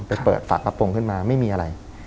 ไปเปิดฝากระโปรงขึ้นมาไม่มีอะไร